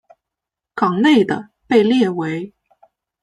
港内的被列为。